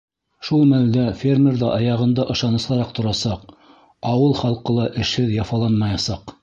Шул мәлдә фермер ҙа аяғында ышаныслыраҡ торасаҡ, ауыл халҡы ла эшһеҙ яфаланмаясаҡ.